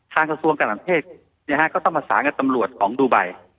ทางสภวนกาลเมธศก็ต้องมาสารกับตำรวจของดูไบ